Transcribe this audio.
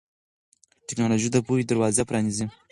ټیکنالوژي د پوهې دروازې پرانیزي.